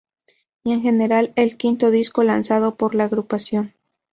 Y en general el quinto disco lanzado por la agrupación.